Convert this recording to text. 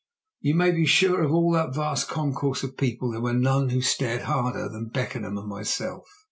You may be sure of all that vast concourse of people there were none who stared harder then Beckenham and myself.